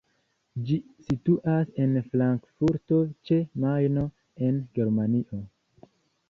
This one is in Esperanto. Ĝi situas en Frankfurto ĉe Majno, en Germanio.